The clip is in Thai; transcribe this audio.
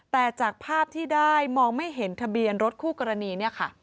แต่จากภาพที่ได้มองไม่เห็นทะเบียนรถคู่กรณีเนี่ยค่ะ